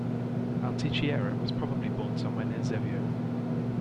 Altichiero was probably born somewhere near Zevio.